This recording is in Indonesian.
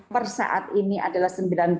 persaat ini adalah sembilan belas tujuh